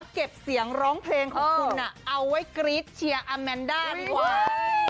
เก็บเสียงร้องเพลงของคุณเอาไว้กรี๊ดเชียร์อาแมนด้าดีกว่า